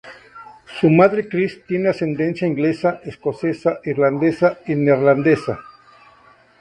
Su madre Kris tiene ascendencia inglesa, escocesa, irlandesa y neerlandesa.